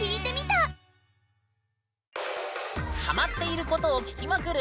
ハマっていることを聞きまくる